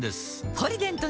「ポリデント」